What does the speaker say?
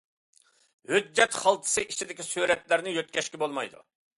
ھۆججەت خالتىسى ئىچىدىكى سۈرەتلەرنى يۆتكەشكە بولمايدۇ!